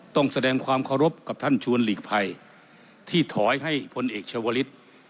ต้องแสดงความเคารพกับท่านชวนหลีกภัยที่ถอยให้พลเอกชาวลิศ